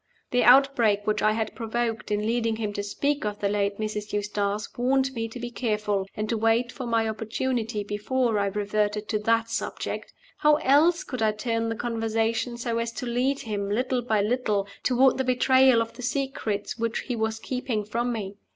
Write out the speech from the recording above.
The outbreak which I had provoked in leading him to speak of the late Mrs. Eustace warned me to be careful, and to wait for my opportunity before I reverted to that subject. How else could I turn the conversation so as to lead him, little by little, toward the betrayal of the secrets which he was keeping from me?